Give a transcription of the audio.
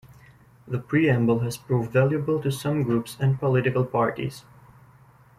The preamble has proved valuable to some groups and political parties.